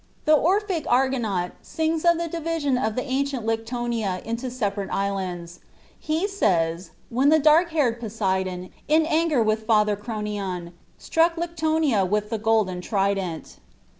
The Orphic Argonaut sings of the division of the ancient Lyktonia into separate islands. He says, "When the dark haired Poseidon, in anger with Father Kronion, struck Lyktonia with the golden trident."